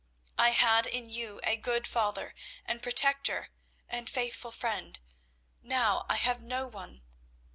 I had in you a good father and protector and faithful friend. Now I have no one.